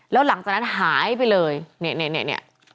แล้วหลังจากนั้นหายไปเลยเนี่ย